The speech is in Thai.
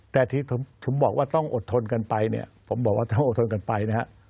แต่ที่ผมบอกว่าต้องอดทนกันไปเนี่ยผมบอกว่าต้องอดทนกันไปนะฮะ